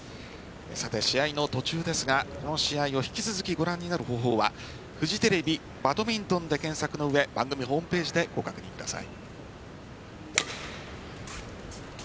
試合の途中ですがこの試合を引き続きご覧になる方法はフジテレビ、バドミントンで検索の上番組ホームページでご確認ください。